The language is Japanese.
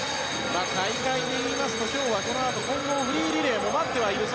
大会でいいますとこのあと混合フリーリレーも待っています。